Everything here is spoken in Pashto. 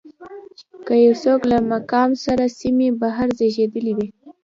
که یو څوک له مقام له سیمې بهر زېږېدلی وي.